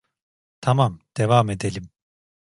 Tamam, devam edelim.